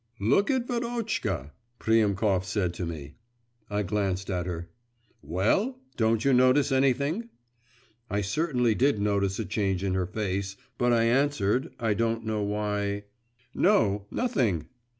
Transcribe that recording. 'Look at Verotchka,' Priemkov said to me. I glanced at her. 'Well? don't you notice anything?' I certainly did notice a change in her face, but I answered, I don't know why 'No, nothing.